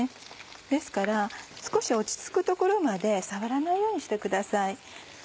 ですから少し落ち着くところまで触らないようにしてください。